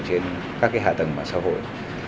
trên các hạ tầng mạng xã hội